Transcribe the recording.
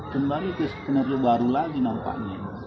kembali ke skenario baru lagi nampaknya